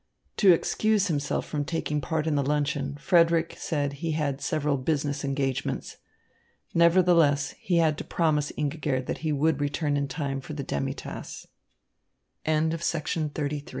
To excuse himself from taking part in the luncheon, Frederick said he had several business engagements. Nevertheless he had to promise Ingigerd that he would return in time for the demi tasse. XX Frederick crossed the